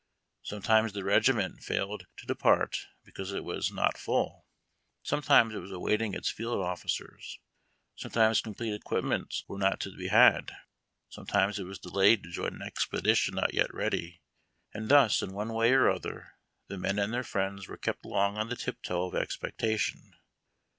Sometimes the regiment failed to depart because it was not full ; sometimes it was awaiting its field officers ; some times complete equipments were not to be had ; sometimes it was delaj ed to join an expedition not 3 et ready ; and thus, in one way or other, the men and their friends were kept long on the tiptoe of exi)ectation.